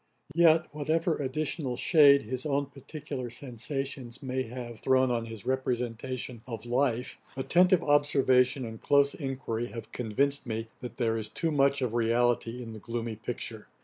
Yet, whatever additional shade his own particular sensations may have thrown on his representation of life, attentive observation and close enquiry have convinced me, that there is too much of reality in the gloomy picture.